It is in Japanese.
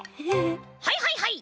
はいはいはい！